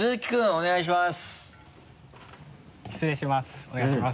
お願いします。